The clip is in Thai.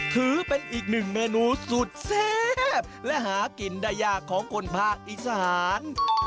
ถือเป็นอีกหนึ่งเมนูสุดแซ่บและหากินได้ยากของคนภาคอีสาน